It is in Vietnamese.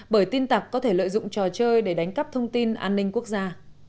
bởi tin tặc có thể lợi dụng trò chơi để đánh cắp thông tin an ninh quốc gia